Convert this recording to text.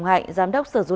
nó là một hòa hợp